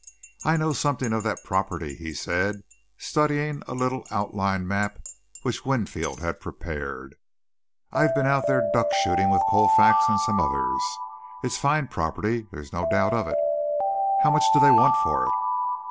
"I know something of that property," he said, studying a little outline map which Winfield had prepared. "I've been out there duck shooting with Colfax and some others. It's fine property, there's no doubt of it. How much do they want for it?"